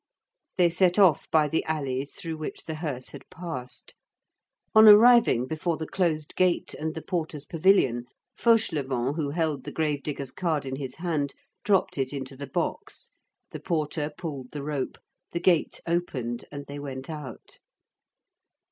They set off by the alleys through which the hearse had passed. On arriving before the closed gate and the porter's pavilion Fauchelevent, who held the grave digger's card in his hand, dropped it into the box, the porter pulled the rope, the gate opened, and they went out.